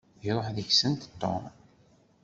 Iṛuḥ deg-sent Tom.